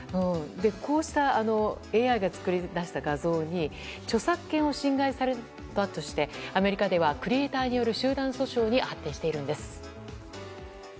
こうしたＡＩが作り出した画像に著作権を侵害されたとしてアメリカではクリエーターによる集団訴訟に発展しているんです。